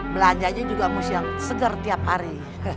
belanjanya juga mau siang seger tiap hari